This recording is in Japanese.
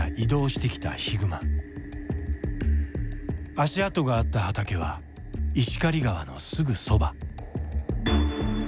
足跡があった畑は石狩川のすぐそば。